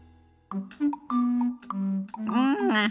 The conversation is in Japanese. うん！